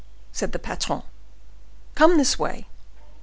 said the patron, "come this way.